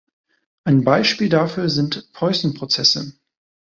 Ein Beispiel dafür sind Poisson-Prozesse.